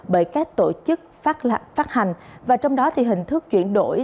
bởi các tổ chức phát hành và trong đó thì hình thức chuyển đổi